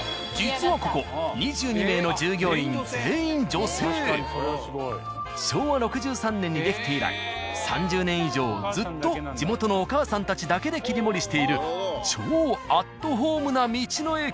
実はここ昭和６３年にできて以来３０年以上ずっと地元のお母さんたちだけで切り盛りしている超アットホームな道の駅。